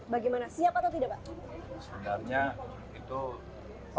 bagaimana siap atau tidak pak